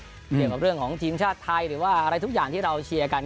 เกี่ยวกับเรื่องของทีมชาติไทยหรือว่าอะไรทุกอย่างที่เราเชียร์กัน